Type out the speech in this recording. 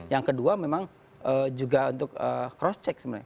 yang kedua memang juga untuk cross check sebenarnya